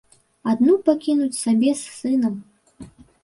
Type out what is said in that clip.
Адну пакінуць сабе з сынам.